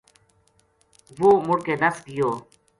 وہ مُڑ کے نَس گیو